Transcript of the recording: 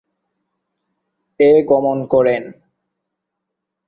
এ গমন করেন।